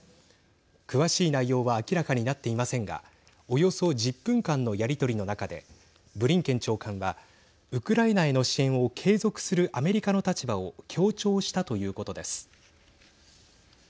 詳しい内容は明らかになっていませんがおよそ１０分間のやり取りの中でブリンケン長官はウクライナへの支援を継続するアメリカの立場を強調したということです。